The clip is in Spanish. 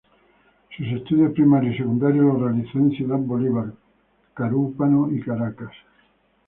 Sus estudios primarios y secundarios los realizó en Ciudad Bolívar, Carúpano y Caracas.